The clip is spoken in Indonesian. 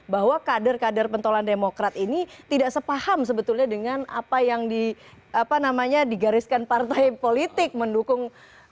bahwa kader kader pentolan demokrat ini tidak sepaham sebetulnya dengan apa yang digariskan partai politik mendukung